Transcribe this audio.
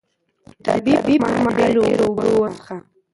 د تبې پر مهال ډېرې اوبه وڅښه